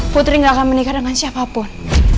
putri gak akan menikah dengan siapapun